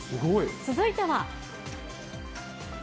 続いては。